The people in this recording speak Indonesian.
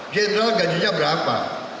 general gajinya berapa